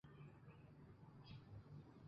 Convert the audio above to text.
福建汀州会馆位于前门外。